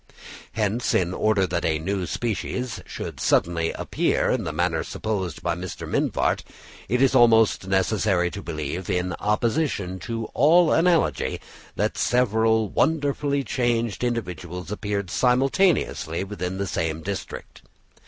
Hence, in order that a new species should suddenly appear in the manner supposed by Mr. Mivart, it is almost necessary to believe, in opposition to all analogy, that several wonderfully changed individuals appeared simultaneously within the same district.